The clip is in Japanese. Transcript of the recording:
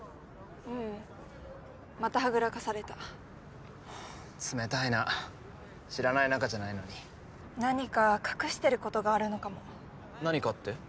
ううんまたはぐらかされた冷たいな知らない仲じゃないのに何か隠してることがあるのかも何かって？